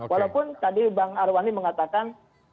walaupun tadi bang arwani mengatakan